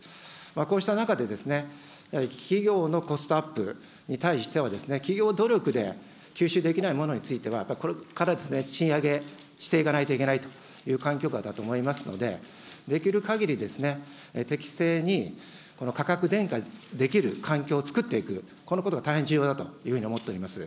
こうした中で、企業のコストアップに対しては、企業努力で吸収できないものについては、やっぱりこれから賃上げしていかないといけないという環境下だと思いますので、できるかぎり、適正にこの価格転嫁できる環境をつくっていく、このことが大変重要だというふうに思っております。